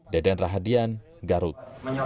deden rahadian garut